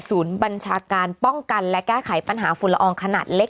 บัญชาการป้องกันและแก้ไขปัญหาฝุ่นละอองขนาดเล็ก